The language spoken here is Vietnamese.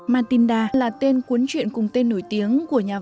matinda là tên cuốn truyện cùng tên nổi tiếng của hà nội